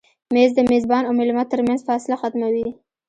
مېز د میزبان او مېلمه تر منځ فاصله ختموي.